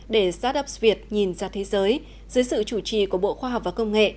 để startups việt nhìn ra thế giới dưới sự chủ trì của bộ khoa học và công nghệ